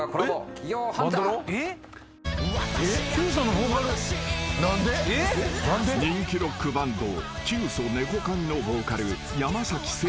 「企業ハンター」［人気ロックバンドキュウソネコカミのボーカル］